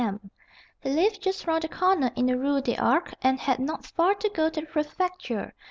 M. He lived just round the corner in the Rue des Arcs, and had not far to go to the Prefecture.